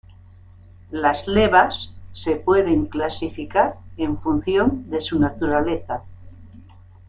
Las levas se pueden clasificar en función de su naturaleza.